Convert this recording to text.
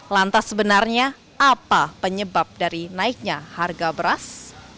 lantas sebenarnya apa penyebab dari naiknya harga beras